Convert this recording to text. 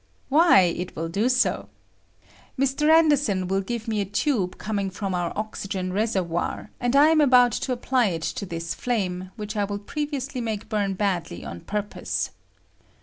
"Why, it will do so. Mr. Anderson will give me a tube coming from our oxygen reservoir, and I am about to apply it to this flame, which I will previously make bum badly on purpose.